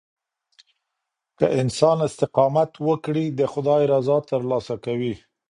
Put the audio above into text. که انسان استقامت وکړي، د خداي رضا ترلاسه کوي.